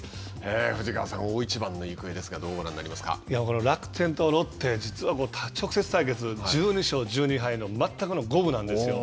藤川さん、大一番の行方ですが、楽天とロッテ、実は直接対決、１２勝１２敗の全くの五分なんですよ。